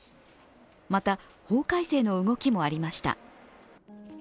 また、法改正の動きもありました。